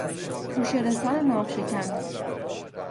توشهرسان ناوشکن